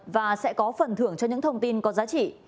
và sẽ có phần thưởng cho những thông tin có giá trị